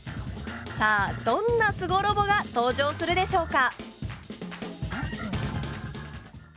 さあどんなすごロボが登場するでしょうか？